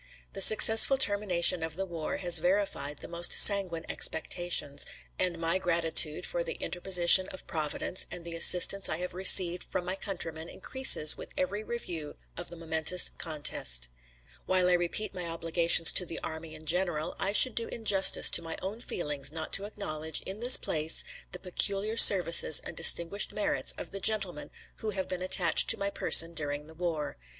The successful termination of the war has verified the most sanguine expectations, and my gratitude for the interposition of Providence and the assistance I have received from my countrymen increases with every review of the momentous contest. While I repeat my obligations to the Army in general, I should do injustice to my own feelings not to acknowledge, in this place, the peculiar services and distinguished merits of the Gentlemen who have been attached to my person during the war.